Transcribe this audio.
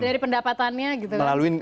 dari pendapatannya gitu kan